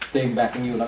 tuyền bạc nhiều lắm